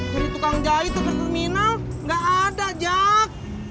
dari tukang jahit ke terminal gak ada jack